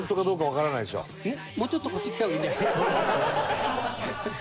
もうちょっとこっちに来た方がいいんじゃない？